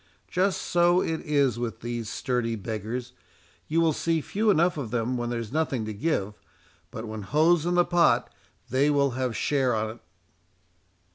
—Just so it is with these sturdy beggars. You will see few enough of them when there's nothing to give, but when hough's in the pot, they will have share on't."